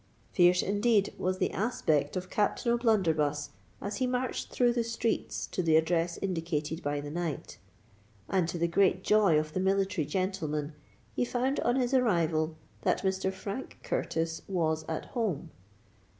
Fierce indeed was the aspect of Captain O'Blunderbuss as he marched through the streets to the address indicated by the knight; and to the great joy of the military gentleman, he found, on his arrival, that Mr. Frank Curtis was at home.